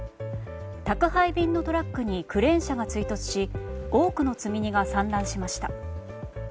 宅配便のトラックにクレーン車が追突し多くの積み荷が散乱しました。